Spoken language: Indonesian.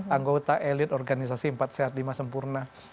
anggota elit organisasi empat sehat lima sempurna